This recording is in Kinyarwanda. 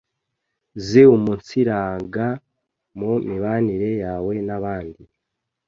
ziumunsiranga mu mibanire yawe n’abandi